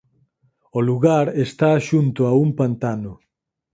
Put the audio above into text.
O lugar está xunto a un pantano.